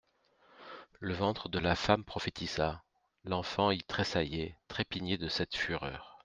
Le ventre de la femme prophétisa ; l'enfant y tressaillait, trépignait de cette fureur.